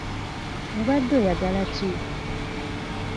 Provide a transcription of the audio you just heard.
Obadde oyagala ki?